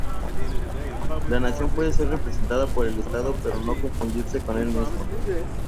La nación puede ser representada por el estado pero no confundirse con el mismo.